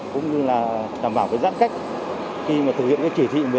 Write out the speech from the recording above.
cũng như là đảm bảo giãn cách khi thực hiện chỉ thị một mươi năm